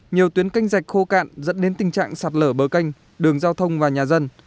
nhiều tuyến canh rạch khô cạn dẫn đến tình trạng sạt lở bờ canh đường giao thông và nhà dân